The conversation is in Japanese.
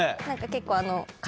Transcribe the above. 結構。